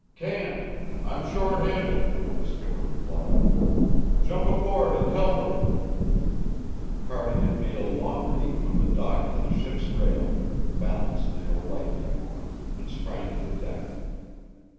"Can't. I'm short handed," the skipper replied. "Jump aboard and help her." Cardigan made a long leap from the dock to the ship's rail, balanced there lightly a moment, and sprang to the deck.